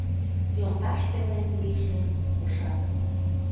Йолташ пелен лийже – ушан.